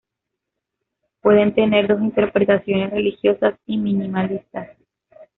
Pueden tener dos interpretaciones, religiosas y minimalista.